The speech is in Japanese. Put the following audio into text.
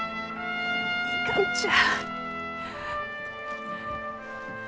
いかんちゃ。